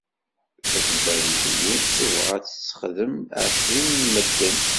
Takebbanit-nni tebɣa ad tessexdem εecrin n medden.